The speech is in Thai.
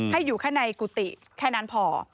ให้อยู่แค่ในกุฏิแค่นั้นพอ